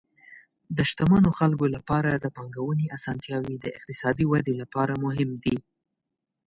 د شتمنو خلکو لپاره د پانګونې اسانتیاوې د اقتصادي ودې لپاره مهم دي.